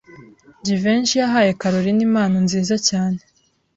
Jivency yahaye Kalorina impano nziza cyane.